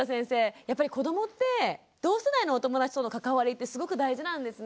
やっぱり子どもって同世代のお友達との関わりってすごく大事なんですね。